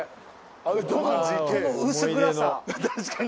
確かに。